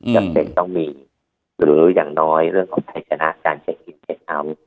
อย่างเต็มต้องมีหรืออย่างน้อยเรื่องของพัฒนาการใช้คิดเท่า